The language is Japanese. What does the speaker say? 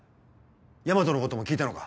大和のことも聞いたのか？